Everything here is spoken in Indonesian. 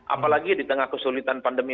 apalagi di tengah kesulitan pandemi